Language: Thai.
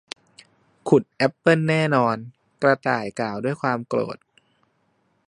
ขุดแอปเปิลแน่นอน กระต่ายกล่าวด้วยความโกรธ